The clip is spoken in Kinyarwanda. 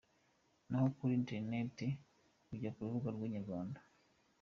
Naho kuri interinete ujya kurubuga rwa Inyarwanda.